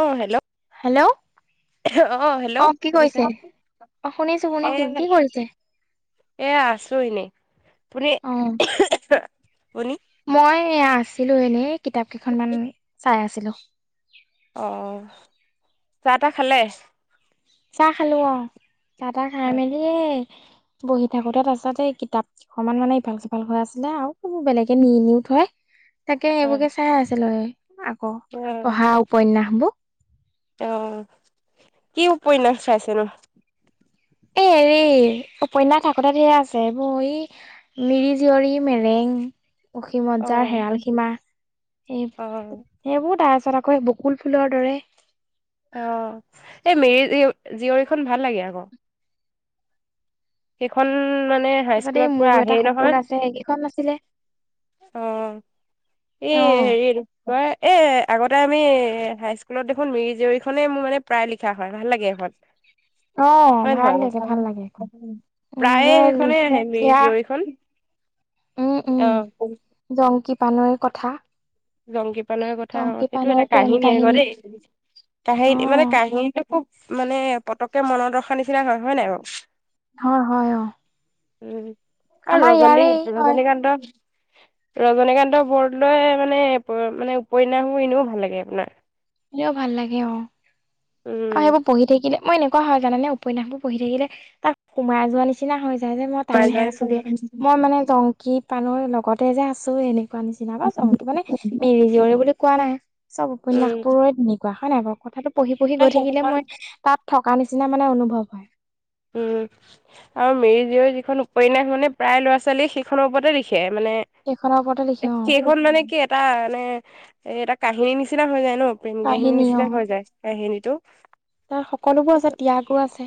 অ'! Hello? Hello! Hello অ'! কি শুনিছে কৰিছে? অ'! শুনিছোঁ-শুনিছোঁ। কি কৰিছে? এইয়া আছোঁ এনেই। আপুনি, অ [unintelligible] আপুনি? মই এইয়া, আছিলোঁ এনেই। কিতাপ কেইখনমান চাই আছিলোঁ। অ'! চাহ-তাহ খালে? চাহ খালোঁ অ'! চাহ-তাহ অ খাই মেলিয়ে, বহি থাকোঁতে, তাৰপাছতে কিতাপ অকমান মানে, ইফাল-সিফাল হৈ আছিলে আৰু। সেইবোৰ বেলেগে নি-নিওঁ থয়। তাকে, এইবোৰকে চাই আছিলোঁ, এই। আকৌ, পঢ়া উপন্যাসবোৰ। অ'! কি উপন্যাস চাইছেনো? এই এনেই। উপন্যাস থাকোঁতে, ঢেৰ আছে। এইবোৰ এ, মিৰি জীয়ৰী, মেৰেং, অ অসীমত যাৰ হেৰাল সীমা। সেই অ সেইবোৰ তাৰপিছত, আকৌ বকুল ফুলৰ দৰে। অ'! এই, মিৰি [unintelligible] জীয়ৰীখন ভাল লাগে, আকৌ। সেইখন মানে, তাৰপিছতে, হাইস্কুলত এই পুৰা মোৰো এটা আহেই নহয় সপোন আছে, সেইকেইখন আছিলে। অ'! এই, অ', সেৰিৰ হয় এ আগতে আমি হাইস্কুলত দেখোন মিৰি জীয়ৰীখনেই মোৰ মানে প্ৰায় লিখা হয় ভাল লাগে সেইখন। অ ভাল লাগে, ভাল লাগে সেইখন। উম প্ৰায়ে সেইখনে [unintelligible] আহে মিৰি জীয়ৰীখন উম উম অ জংকী পানৈৰ কথা। জংকী পানৈ কথা অ জংকী সেইটো পানৈৰ এটা প্ৰেম কাহিনী আকৌ দেই। কাহিনী মানে অ', কাহিনীটো খুব মানে পতকে মন ৰখা নিচিনা হয় হয় নাই বাৰু। হয় হয় অ। উ আৰু আমাৰ ৰজনী ইয়াৰেই। হয়, ৰজনীকান্ত ৰজনীকান্ত বৰদলৈ মানে প মানে উপন্যাসবোৰ এনেও ভাল লাগে আপোনাৰ। এনেও ভাল লাগে অ। আৰু উম সেইবোৰ পঢ়ি থাকিলে মই এনেকুৱা হয় জানেনে উপন্যাসবোৰ পঢ়ি থাকিলে তাত সোমাই যোৱা নিচ নিচিনা হৈ যায় যে, মই তাতহে আছোগে, উম মই মানে জংকী পানৈ লগতে যে আছো এনেক কুৱা নিচিনা [unintelligible] মানে মিৰি জীয়ৰী বুলি কোৱা নাই চব উপন্যাস এনেকুৱা হয় নাই বাৰু? কথাটো পঢ়ি পঢ়ি গৈ থাকিলে সেইখন মই তাত থকা নিচিনা মানে অনুভৱ হয়। উম [inaudible] আৰু মিৰি জীয়ৰী যিখন উপন্যাস মানে প্ৰায় ল'ৰা ছোৱালীয়ে সেইখনৰ ওপৰতে লিখে। মানে সেইখনৰ ওপৰতে লিখে অ সেইখন মানে কি এটা মানে এ এটা কাহিনীৰ নিচিনা হৈ যায় ন। প্ৰেম কাহিনী নিচিনা হৈ যায় কাহিনীটো। তাত সকলোবোৰ আছে, ত্যাগো আছে,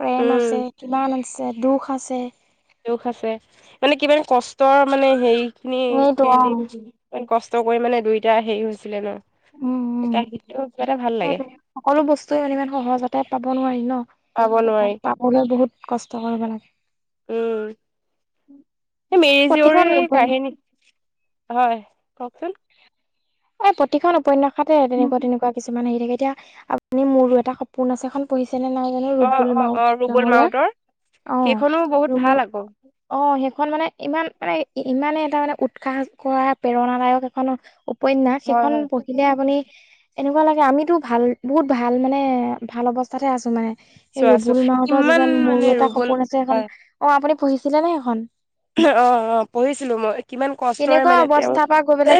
প্ৰেম উম আছে, কিমান আছে, দুখ আছে, দুখ আছে, মানে কিমান কষ্টৰ মানে হেৰি খিনি সেইটো অ সেহঁতি ইমান কষ্ট কৰি মানে দুইটা হেৰি হৈছিলে ন, উম উম [unintelligible] কিবা এটা ভাল লাগে। সেইটোৱে সকলো বস্তুে মানে ইমান সহজতে পাব নোৱাৰি ন, পাব নোৱাৰি তাক পা বলৈ বহুত কষ্ট কৰিব লাগে। উম সেই মিৰি প্ৰতিখন জীয়ৰী উপন্যাস কাহিনী হয় কওকচোন। এ প্ৰতিখন উপন্যাসতে তেনেকুৱা তেনেকুৱা কিছুমান হেৰি থাকে, এতিয়া আপুনি মোৰো এটা সপোন আছে এখন পঢ়িছে নে নাই জানো, অ ৰুবুল অ অ মাউট ৰুবুল মাউতৰ ডাঙৰীয়া অ সেইখনো বহুত ভাল ৰুবুল আকৌ অ সেইখন মানে ইমান মানে ইমানে এটা মানে উৎসাহ কৰা প্ৰেৰণাদায়ক এখন উপন্যাস হয় সেইখন হয় পঢ়িলে আপুনি এনেকুৱা লাগে আমিতো ভাল, বহুত ভাল মানে ভাল অৱস্থাতে আছো মানে। সেই চোৱা চো ৰুবুল মাউতৰ কিমান যিজোন মোৰ মানে এটা ৰুবুল সপোন আছে সেইখন, হয় অ আপুনি পঢ়িছিলে নে সেইখন? অ অ পঢ়িছিলো মই কিমান কষ্টৰে কেনেকুৱা মানে তেওঁ অৱস্থাৰ পৰা গৈ পেলাই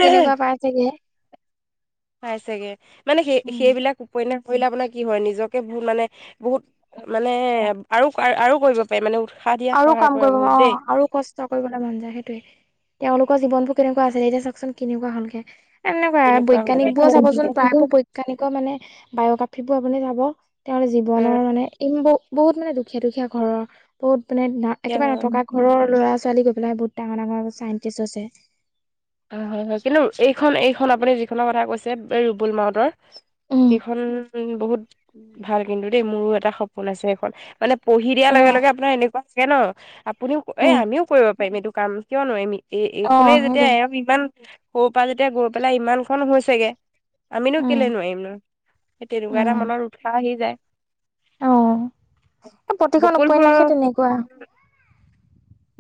[unintelligible] পাই চাগে, মানে উম সেই-সেইবিলাক উপন্যাস পঢ়িলে আপোনাৰ কি হয় নিজকে বহুত মানে, বহুত মানে আৰু আৰু কৰিব পাৰি মানে উৎসাহ দিয়াত আৰু কাম সহায় কৰে কৰিব মন- অ বহুত দেই। আৰু কষ্ট কৰিবলৈ মন যায় সেইটোৱে, তেওঁলোকৰ জীৱনবোৰ কেনেকুৱা আছিলে এতিয়া চাওকচোন কেনেকুৱা হ'লগে। এনেকুৱা, হয় উম বৈজ্ঞানিক বোৰো চাবচোন প্ৰায়বোৰ বৈজ্ঞানিকৰ মানে বায়গ্ৰাফী বোৰ আপুনি চাব তেওঁৰ জীৱনৰ মানে ই ম বো বহুত মানে দুখীয়া দুখীয়া ঘৰৰ বহুত মানে একেবাৰে নথকা ঘৰৰ লৰা-ছোৱালী গৈ পেলাই বহুতাঙৰ ডাঙৰ চাইণ্টিষ্ট হৈছে। হয় হয় হয় কিন্তু এইখন এইখন আপুনি যিখনৰ কথা কৈছে এই ৰুবুল মাউডৰ উম সেইখন বহুত ভাল কিন্তু দেই, মোৰো এটা সপোন আছে সেইখন। মানে পঢ়ি দিয়াৰ অ লগে লগে আপোনাৰ এনেকুৱা চাগে ন, আপুনিও এ উম আমিও কৰিব পাৰিম এইটো কাম কিয় নোৱাৰিমি এই অ এইখনেই যেতিয়া সেইটোৱে এওঁক ইমান সৰু পৰা যেতিয়া গৈ পেলাই ইমান খন হৈছেগে আমিনো উম কেলে নোৱাৰিম ন। সেই তেনেকুৱা এটা উম মনৰত উৎসাহ আহি যায়। অ, এ প্ৰতিখন বকুল ফুলৰ উপন্যাসে তেনেকুৱা।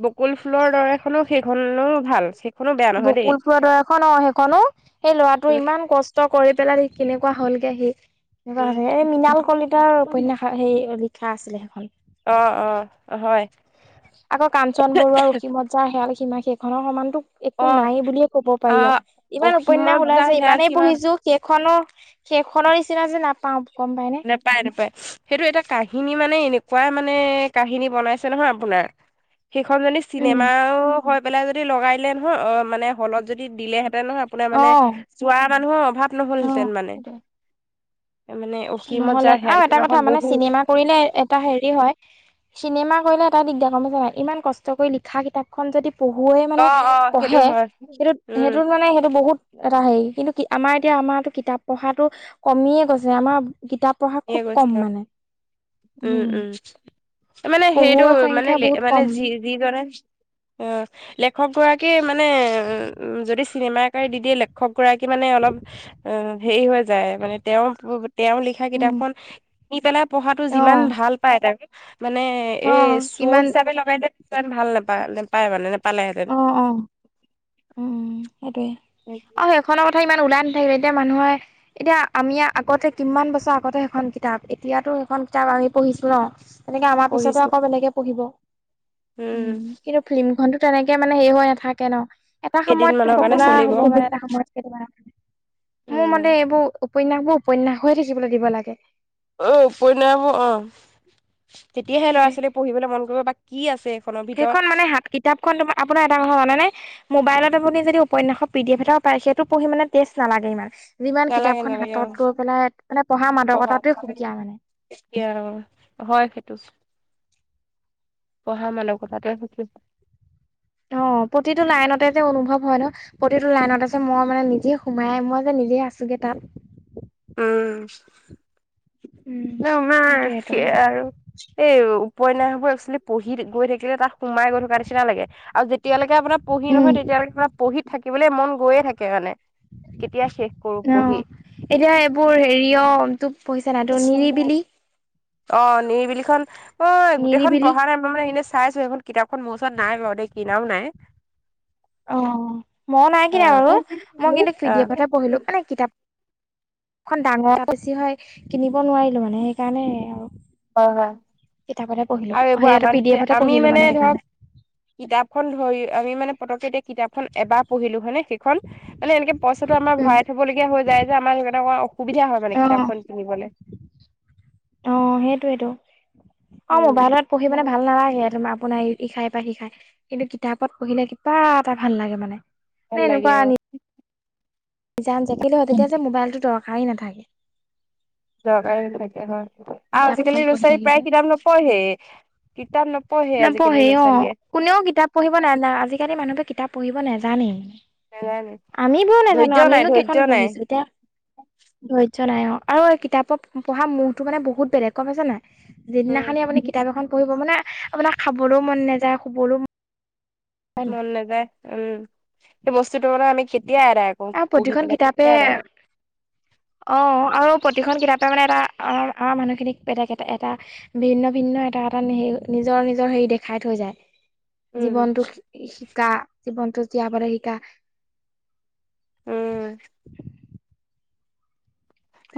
বকুল ফুলৰ দৰেখনো সেইখনও ভাল। সেইখনো বেয়া নহয় দেই বকুল ফুৰ দৰে এখন অ', সেইখনো সেই ল'ৰাটোৰ উম, ইমান কষ্ট কষ্ট কৰি পেলাই কেনেকুৱা হ'লগে সি, উম। [unintelligible] এই মৃণাল কলিতাৰ উপন্যাস। অ, সেই লিখা আছিলে সেইখন। অ', অ', হয়। আকৌ কাঞ্চন বৰুৱাৰ অসীমত যাৰ হেৰাল সীমা সেইখনৰ সমানতো অ একো নাই বুলিয়ে ক'ব পাৰি আহ আৰু, ইমান অসীমত উপন্যাস ওলাই যাৰ আছে হেৰাল ইমানেই সীমা পঢ়িছো সেইখনৰ সেইখনৰ নিচিনা যে নাপাও গম পাই নে? নাপায় নাপায় সেইটো এটা কাহিনী মানে এনেকুৱা মানে কাহিনী বনাইছে নহয় আপোনাৰ। সেইখন যদি উম চিনেমাও হৈ পেলাই যদি লগাই দিলে নহয় অ, মানে হলত যদি দিলেহেঁতেন নহয় আপোনাৰ অ মানে চোৱা মানুহৰ অভাৱ অ নহলহেঁতেন মানে, সেইটোৱে মানে অসীমত নহলে যাৰ হেৰাল আৰু এটা কথা সীমাখন মানে বহুত চিনেমা কৰিলে এটা হেৰি হয়, চিনেমা কৰিলে এটা দিগদাৰ হয় গম পাইছা নাই ইমান কষ্ট কৰি লিখা কিতাপখন যদি পঢ়ুৱৈৱে অ মানে অ সেইটো পঢ়ে হয় সেইটোত উম সেইটোত মানে সেইটো বহুত এটা হেৰি কিন্তু আমাৰ এতিয়া আমাৰো কিতাপ পঢ়াটো কমিয়ে গৈছে আমাৰ কিতাপ পঢ়া এ খুব গৈছে কম আৰু মানে। উম, উম, মানে সেইটো পঢ়ুৱৈৰ মানে সংখ্যা বহুত মানে কম যি যিজনে অ', লেখক গৰাকীয়ে মানে উ, যদি চিনেমা আকাৰে দি দিয়ে লে খক গৰাকী মানে অলপ অ, হেৰি হৈ যায় মানে তেওঁ তেওঁ লিখা কিতাপ কিনি পেলাই পঢ়াটো যিমান অহ ভাল পাই তাক মানে এ অহ চ' কিমান হিচাপে লগাই দিলে [unintelligible] ভাল নাপায় নেপায় মানে নোপালেহেঁতেন। অ অ উম, সেইটোৱে আৰু সেই খনৰ কথা ইমান ওলাই নাথাকিবে এতিয়া মানুহে এতিয়া আমি আগতে কিমান বছৰ আগতে সেইখন কিতাপ এতিয়াতো সেইখন কিতাপ আমি পঢ়িছো ন। তেনেকে আমাৰ পিছতে পঢ়িছো আকৌ বেলেগে পঢ়িব, উম, কিন্তু ফিল্ম খনটো তেনেকে মানে হেৰি হৈ নাথাকে ন, এটা সময়ত কেইদিনমানৰ কাৰণে পপুলাৰ চলিব হ'ব মানে এটা সময়ত সেইটো কাৰণে, মোৰ উম। মতে এইবোৰ উপন্যাস বোৰ উপন্যাস হৈয়ে থাকিবলৈ দিব লাগে। অ, উপন্যাস অ'। তেতিয়াহে ল'ৰা সেইটোৱে ছোৱালী পঢ়িবলৈ মন কৰিব বা কি আছে এইখনৰ সেইখন ভিতৰত। মানে হাত কিতাপখন তোমাৰ আপোনাৰ এটা কথা জানেনে মোবাইলত আপুনি যদি উপন্যাসৰ পি ডি এফ এটাও পায় সেইটো পঢ়ি মানে তেষ্ট নালাগে ইমান। যিমান নালাগে কিতাপখন নালাগে অ' হাতত লৈ পেলাই মানে পঢ়া মাদকতাতোৱে সুকীয়া মানে। এতিয়া হয় সেইটো। পঢ়া মানকতাটোৱে সুকিয়া। অ, প্ৰতিটো লাইনতে যে অনুভৱ হয় ন। প্ৰতিটো লাইনত আছে মই মানে নিজে সোমাই মই যে নিজে আছোগে তাত। উম। উম আমাৰ সেইটোয়েতো সেইয়া আৰু। এই উপন্যাসবোৰ একচোৱেলি পঢ়ি গৈ থাকিলে তাত সোমাই গৈ থকাৰ নিচিনা লাগে আৰু যে তেতিয়ালৈকে আপোনাৰ পঢ়ি উম নহয় তেতিয়ালৈকে আপোন পঢ়ি থাকিবলৈ মন গৈয়ে থাকে মানে। কেতিয়া শেষ কৰো অ', পঢ়ি। এতিয়া এইবোৰ হেৰি টো অ, নিৰিবিলিখন, ঐ গোটেইখন নিৰিবিলি পঢ়া নাই মই মানে এনে চাইছো এইখন কিতাপখন মোৰ ওচৰত নাই বাৰু দেই কিনাও নাই। অ, মইও নাই কিনা অ', বাৰু, অ', মই কিন্তু পিডি এফতহে হয়, পঢ়িলো মানে কিতাপ খন ডাঙৰ বেছি হয়, কিনিব নোৱাৰিলো মানে সেইকাৰণে আওঁ। হয় হয়। কিতাপতে পঢ়িলো, আৰু এইবোৰ সিহঁতে আমাৰ পি ডি নিচিনা এফতে আমি পঢ়িলো মানে ধৰক সেইকাৰণে। কিতাপখন ধৰি আমি মানে পতককে এতিয়া কিতাপখন এবাৰ পঢ়িলো হয়নে হে খন মানে এনেকে পইচাটো আমাৰ উম, ভৰাই থব লগীয়া হৈ যায় যে আমাৰ সেই অসুবিধা হয় মানে অ', কিতাপখন কিনিবলে। অ সেইটোৱেতো, আওঁ উম, মোবাইলত পঢ়ি মানে ভাল নালাগে তোমাৰ আপোনাৰ [inaudible] কিন্তু কিতাপত পঢ়িলে কিবা এটা ভাল লাগে মানে। ভাল লাগে অ। জান [inaudible] যে মোবাইলটো দৰকাৰী নাথাকে। দৰকাৰী নাথাকে হয়। আও কিতাপখন আজিকালি পঢ়ি ল'ৰা-ছোৱালী থাকিলে প্ৰায় কিতাপ নপঢ়ে, কিতাপ নপঢ়ে আজিকালি ল'ৰা-ছোৱালীয়ে। কোনেও কিতাপ পঢ়িব না না আজিকালি মানুহে কিতাপ পঢ়িব নাজানেই। নাজানে। আমিবোৰ নেজানো ধৈৰ্য নাই আমিনো ধৈৰ্য কেইখন নাই পঢ়িছো এতিয়া। ধৈৰ্য নাই অ। আও এই কিতাপৰ পঢ়া মূৰটো মানে বহুত বেলেগ গম পাইছো নাই? যিদিনা খনি আপুনি উম কিতাপ এখন পঢ়িব মানে আপোনাক খাবলৈও মন নাযায় শুবলৈও মন নাযায় উম, সেই বস্তুটো মানে আমি কেতিয়া এডাই এ প্ৰতিখন কিতাপে অ আৰু প্ৰতিখন কিতাপে মানে এটা অঁ আমাৰ মানু্হ খিনিক বেলেগ এটা। ভিন্ন ভিন্ন এটা এটা হ নিজৰ নিজৰ হেৰি দেখাই থৈ যায়। উম জীৱনটো শিকা, জীৱনটো জীয়বলে শিকা। উম।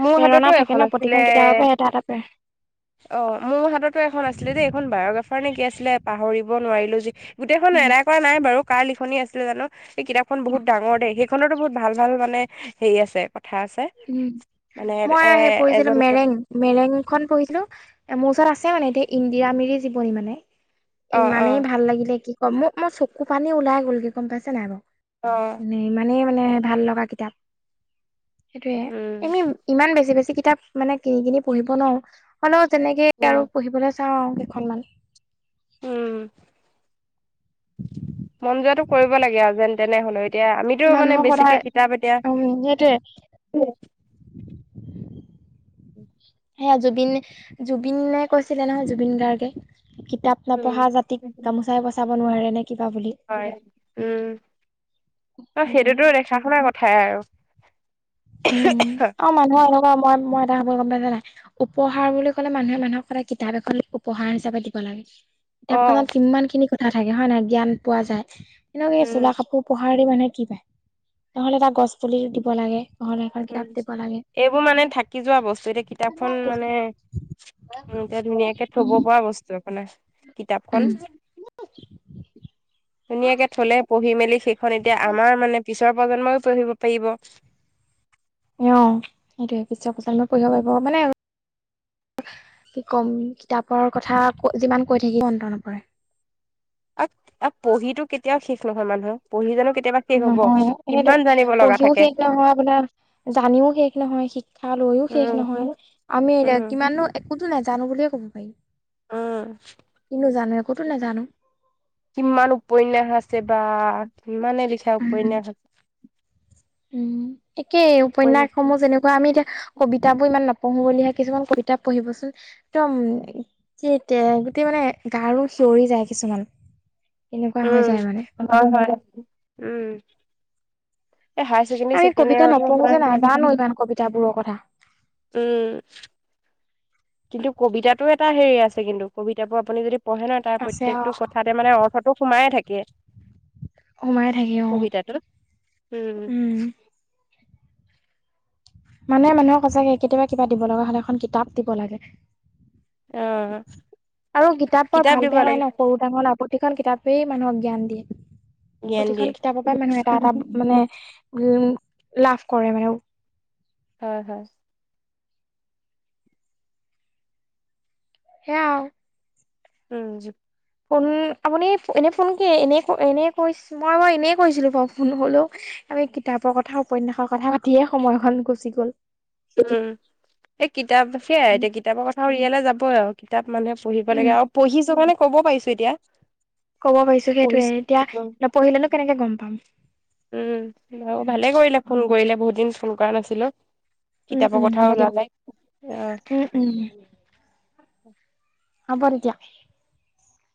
মোৰ প্ৰেৰণা হাততো থাকে ন এখন আছিলে, প্ৰতিখন কিতাপৰ পৰা এটা এটা অ মোৰ হাততো এখন আছিলে দেই। এখন বায়গ্ৰাফাৰ নে কি আছিলে পাহৰিব নোৱাৰিলো যি গোটেইখন উম এৰা কৰা নাই বাৰু কাৰ লিখনি আছিলে জানো। এই কিতাপখন বহুত ডাঙৰ দেই সেইখনতো বহুত ভাল ভাল মানে হেৰি আছে কথা আছে। উম, মানে মই এ আহে পঢ়িছিলো এজন এজন মেৰেং। মেৰেংখন পঢ়িছিলো, মোৰ ওচৰত আছে মানে এতিয়া ইন্দিৰা মিৰি জীৱনী মানে। অ অ ইমানেই ভাল লাগিলে কি কম, মো মোৰ চকু পানী ওলাই গ'লগে পাইছে নাই বাৰু। অ। ম ইমানেই মানে ভাল লগা কিতাপ। সেইটোয়ে, উম এমি ইমান বেছি বেছি কিতাপ মানে কিনি কিনি পঢ়িব নোৱাৰো। হলেওঁ তেনেকে উম আৰু পঢ়িবলৈ চাওঁ কেইখনমান। উম, মন যোৱাটো কৰিব লাগে আৰু যেন তেনে হলেও। এতিয়া আমিতো মানে মানুহক সদায় বেছিকে কিতাপ এতিয়া উম, সেইটোৱে। সেয়া জুবিন, জুবিনে কৈছিলে নহয় জুবিন গাৰ্গে কিতাপ উম নপঢ়া জাতিক গামোচাই বচাব নোৱাৰে নে কিবা বুলি। হয়, উম, আৰু সেইটোৱে সেইটোতো দেখা শুনা কথাই আৰু। উম, অ মানুহৰ এনেকুৱা মই মই এটা খবৰ গম পাইছা নাই। উপহাৰ বুলি ক'লে মানুহে মানুহক সদায় কিতাপ এখন উপহাৰ হিচাপে দিব লাগে। অ কিতাপখনত কিমান খিনি কথা থাকে হয় নহয় জ্ঞান পোৱা যায়, এনেকে উম চোলা কাপোৰ পঢ়াৰ মানুহে কি পায়, নহ'লে এটা গছ পুলি দিব লাগে। নহ'লে এখন উম, কিতাপ দিব লাগে এইবোৰ মানে থাকি যোৱা বস্তু এতিয়া কিতাপখন মানে এতিয়া ধুনীয়াকে থব উম পৰা বস্তু অপোনাৰ। কিতাপখন, উম ধুনীয়াকে থলে পঢ়ি মেলি [inaudible] খন এতিয়া, আমাৰ মানে পিছৰ প্ৰজন্মইও পঢ়ি পাৰিব। অ', সেইটোৱে, পিছৰ প্ৰজন্মই পঢ়িব পাৰিব, মানে কি কম, কিতাপৰ কথা, ক, যিমান কৈ থাকিলেও অন্ত নপৰে। আৰ, আৰ, পঢ়িতো কেতিয়াও শেষ নহয় মানুহৰ, পঢ়ি জানো কেতিয়াবা শেষ হ'ব, নহয় সেইটোৱে কিমান জানি পঢ়িও শেষ নহয়, আপোনাৰ জানিও শেষ নহয়, শিক্ষা লৈও শেষ উম নহয়। আমি লে, উম কিমানো একোতো নাজানো বুলিয়ে ক'ব পাৰি। উম। কিনো জানো, একোতো নাজানো। কিমান উপন্যাস আছে বা, কিমানে লিখা উম উপন্যাস আছে। উম, একেই উপন্যাস সমূহ যেনেকুৱা আমি এতিয়া কবিতাবোৰ ইমান নপঢ়ো বুলিহে, কিছুমান কবিতা পঢ়িবচোন। একদম, তিতে, গোটেই মানে গাৰ নোম সিঞৰি যায় কিছুমান। এনেকুৱা হৈ যায় মানে। উম হয়, হয়, উম। এই হায়াৰ আমি কবিতা ছেকেণ্ডৰী নপঢ়ো যে ছেকেণ্ড নাজানো ইমান ইয়াত কবিতাবোৰৰ কথা আপোনাৰ উম। কিন্তু কবিতাতো এটা হেৰি আছে কিন্তু, কবিতাবোৰ আপুনি যদি পঢ়ে নহয়, তাৰ আছে অ প্ৰত্যেকটো ক থাতে মানে অৰ্থটো সোমাইয়ে থাকে। সোমাই থাকে অ কবিতাটোৰ, উম। মানে, মানুহক সঁচাকে কেতিয়াবা কিবা দিব লগা হ'লে, এখন কিতাপ দিব লাগে। অ আৰু কিতাপৰ কিতাপ ভাল দিব বেয়া নাই লাগে ন', সৰু ডাঙৰ আপ প্ৰতিখন কিতাপেই মানুহক জ্ঞান দিয়ে, জ্ঞান দিয়ে প্ৰতিখন কিতাপৰ পৰাই মানুহ এটা, এটা মানে উম, লাভ কৰে মানে। হয়, হয়। সেয়া আৰু। উম। ফোন, আপুনি এনেই ফোন কি, এনেই, এনেই কৰিছ, মই বাৰু এনেই কৰিছিলোঁ বাৰু ফোন হ'লেও। আমি কিতাপৰ কথা, উপন্যাসৰ কথা, পাতিয়ে সময়খন গুচি গ'ল। উম, এই কিতাপ, সেয়াই এতিয়া কিতাপৰ কথা উলিয়ালে যাবই আৰু কিতাপ মানুহে পঢ়িব উম লাগে, আৰু পঢ়িছো কাৰণে ক'ব পাৰিছোঁ এতিয়া। ক'ব পাৰিছো সেইটোৱে, পঢ়িছো এতিয়া নপঢ়িলেনো কেনেকে গম পাম। উম, বাৰু ভালে কৰিলে ফোন কৰিলে, বহুত দিন ফোন কৰা নাছিলোঁ। উম কিতাপৰ উম হ'ব কথাও দিয়ক ওলালে, উম অ'। উম হ'ব তেতিয়া।